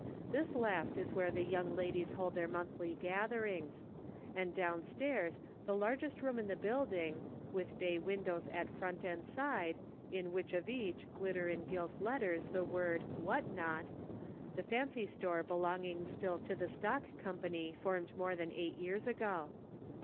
This last is where the young ladies hold their monthly gatherings ; and down stairs the largest room in the build ing, with bay windows at front and side, in each of which glitter in gilt letters the word "WHAT NOT," the fancy store belonging still to the stock company formed more than eight years ago.